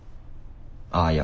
ああいや